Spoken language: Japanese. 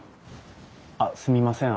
あっすみません。